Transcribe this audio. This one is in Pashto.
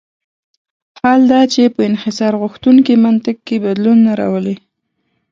حال دا چې په انحصارغوښتونکي منطق کې بدلون نه راولي.